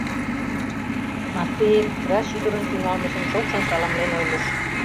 Матвеев врач ӱдырын тӱҥалмыжым шокшын саламлен ойлыш.